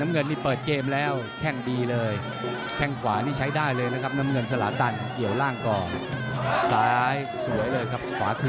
นี่ผมได้ให้ปากครับ